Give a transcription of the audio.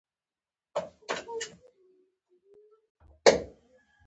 سیاسي نخبګانو پیدایښت کرنې ته د ورتګ لامل شوي